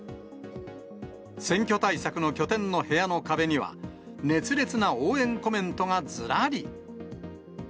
選挙対策の拠点の部屋の壁には、熱烈な応援コメントがずらり。